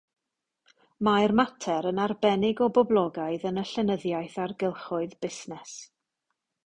Mae'r mater yn arbennig o boblogaidd yn y llenyddiaeth ar gylchoedd busnes.